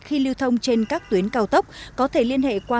khi lưu thông trên các tuyến cao tốc có thể liên hệ qua